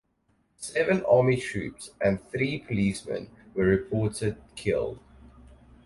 Seven army troops and three policemen were reported killed.